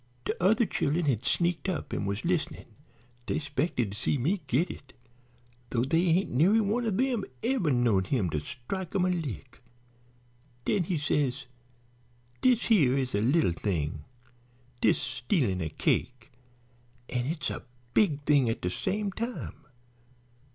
De other chillen had sneaked up an' was listenin'; dey 'spected to see me git it, though dere ain't nary one of 'em ever knowed him to strike 'em a lick. Den he says: 'Dis here is a lil thing, dis stealin' a cake; an' it's a big thing at de same time.